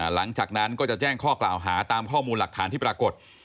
หลังจากนั้นก็จะแจ้งข้อกล่าวหาตามข้อมูลหลักฐานที่ปรากฏ